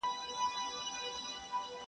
بحث لا هم دوام لري تل,